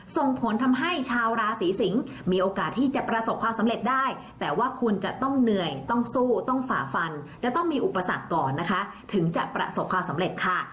ส่งผลทำให้ชาวราศีสิงศ์มีโอกาสที่จะประสบความสำเร็จได้แต่ว่าคุณจะต้องเหนื่อยต้องสู้ต้องฝ่าฟันจะต้องมีอุปสรรคก่อนนะคะถึงจะประสบความสำเร็จค่ะ